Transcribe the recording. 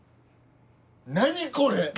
何これ！